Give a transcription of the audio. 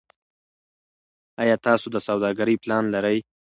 ایا تاسو د سوداګرۍ پلان لرئ.